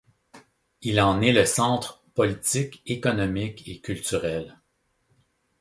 Il en est le centre politique, économique et culturel.